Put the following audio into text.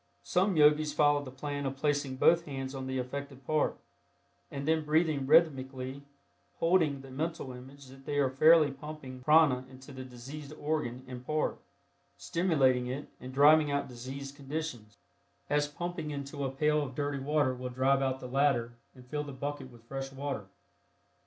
Some Yogis follow the plan of placing both hands on the affected part, and then breathing rhythmically, holding the mental image that they are fairly pumping prana into the diseased organ and part, stimulating it and driving out diseased conditions, as pumping into a pail of dirty water will drive out the latter and fill the bucket with fresh water.